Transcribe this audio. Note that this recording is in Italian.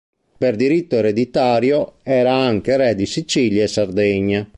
Per diritto ereditario era anche re di Sicilia e Sardegna.